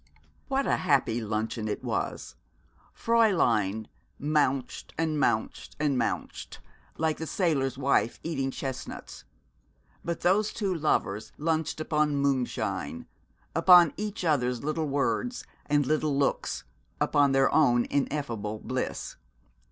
What a happy luncheon it was! Fräulein 'mounched, and mounched, and mounched,' like the sailor's wife eating chestnuts: but those two lovers lunched upon moonshine, upon each other's little words and little looks, upon their own ineffable bliss.